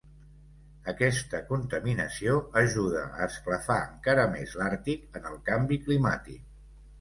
Aquesta contaminació ajuda a esclafar encara més l'Àrtic en el canvi climàtic.